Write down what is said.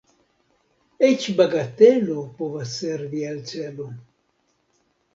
Eĉ bagatelo povas servi al celo.